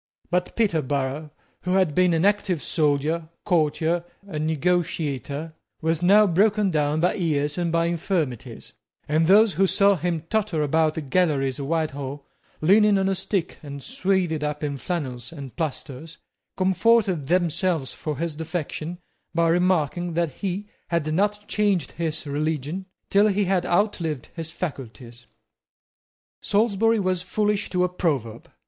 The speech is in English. But Peterborough, who had been an active soldier, courtier, and negotiator, was now broken down by years and infirmities; and those who saw him totter about the galleries of Whitehall, leaning on a stick and swathed up in flannels and plasters, comforted themselves for his defection by remarking that he had not changed his religion till he had outlived his faculties. Salisbury was foolish to a proverb.